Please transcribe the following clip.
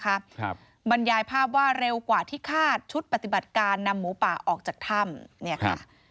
ครับบรรยายภาพว่าเร็วกว่าที่คาดชุดปฏิบัติการนำหมูป่าออกจากถ้ำเนี่ยค่ะ